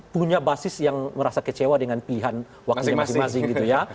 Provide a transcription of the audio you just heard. punya basis yang merasa kecewa dengan pilihan wakilnya masing masing gitu ya